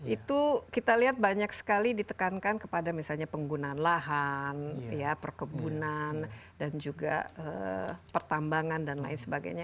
itu kita lihat banyak sekali ditekankan kepada misalnya penggunaan lahan perkebunan dan juga pertambangan dan lain sebagainya